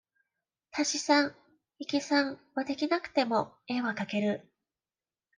足し算引き算は出来なくても、絵は描ける。